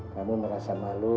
kamu merasa malu